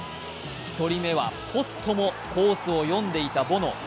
１人目はポストもコースを読んでいたボノ。